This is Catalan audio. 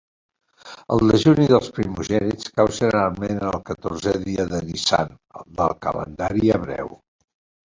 El dejuni dels primogènits cau generalment en el catorzè dia de Nissan, del calendari hebreu.